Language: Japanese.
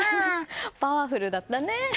パワフルだったね。